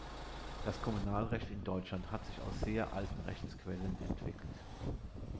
Das Kommunalrecht in Deutschland hat sich aus sehr alten Rechtsquellen entwickelt.